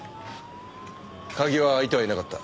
鍵は開いてはいなかった。